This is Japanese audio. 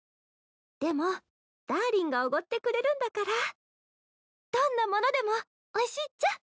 でもダーリンがおごってくれるんだからどんなものでもおいしいっちゃ。